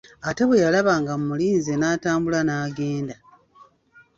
Ate bwe yalaba nga mulinze n'atambula n'agenda.